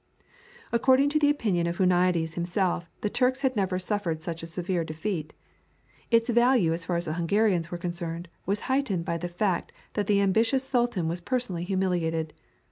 According to the opinion of Huniades himself the Turks had never suffered such a severe defeat. Its value as far as the Hungarians were concerned was heightened by the fact that the ambitious Sultan was personally humiliated.